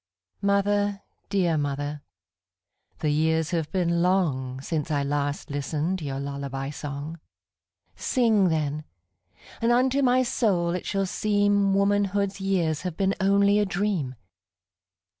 Mother, dear mother, the years have been longSince I last listened your lullaby song:Sing, then, and unto my soul it shall seemWomanhood's years have been only a dream.